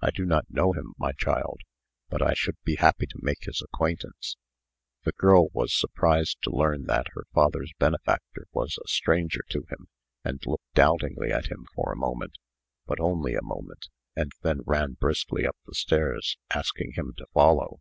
"I do not know him, my child; but I should be happy to make his acquaintance." The girl was surprised to learn that her father's benefactor was a stranger to him, and looked doubtingly at him for a moment but only a moment and then ran briskly up the stairs, asking him to follow.